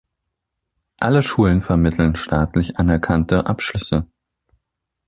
Alle Schulen vermitteln staatlich anerkannte Abschlüsse.